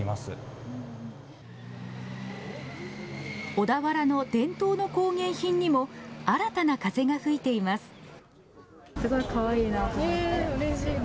小田原の伝統の工芸品にも新たな風が吹いています。